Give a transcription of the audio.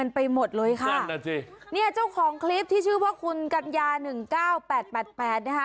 นี่เจ้าของคลิปที่ชื่อว่าคุณกันยา๑๙๘๘๘นะฮะ